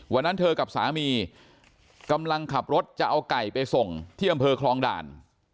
วันนั้นเธอกับสามีกำลังขับรถจะเอาไก่ไปส่งที่อำเภอคลองด่าน